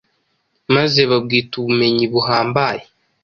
maze babwita Ubumenyi buhambaye